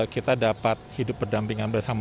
kita dapat hidup berdampingan bersama